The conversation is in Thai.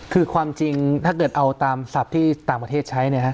คือความจริงถ้าเกิดเอาตามศัพท์ที่ต่างประเทศใช้